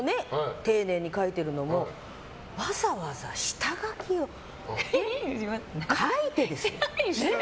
丁寧に書いてるのもわざわざ下書きを書いてですよ。